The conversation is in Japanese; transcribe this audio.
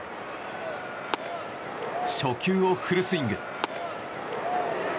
初球をフルスイング。